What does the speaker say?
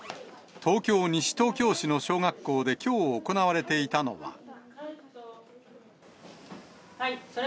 東京・西東京市の小学校で、きょう行われていたのは。